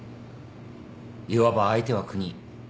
いわば相手は国。